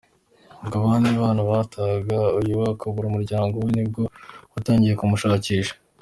Ubwo abandi bana batahaga uyu we akabura, umuryango we nibwo watangiye kumushakisha.